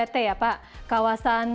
tiga t ya pak kawasan